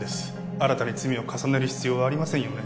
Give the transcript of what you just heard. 新たに罪を重ねる必要はありませんよね